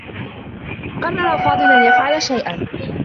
قرّر فاضل أن يفعل شيئا.